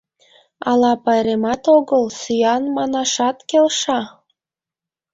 Ала пайремат огыл, сӱан манашат келша?..